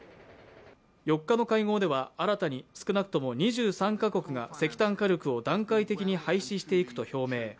４日の会合では新たに少なくとも２３カ国が石炭火力を段階的に廃止していくと表明。